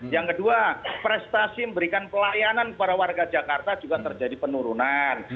yang kedua prestasi memberikan pelayanan kepada warga jakarta juga terjadi penurunan